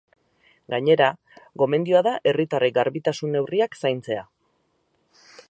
Gainera, gomendioa da herritarrek garbitasun-neurriak zaintzea.